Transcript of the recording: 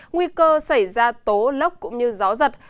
nguy cơ xảy ra tố lốc cũng như gió giật